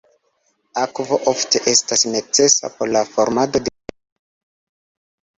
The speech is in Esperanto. Akvo ofte estas necesa por la formado de kristaloj.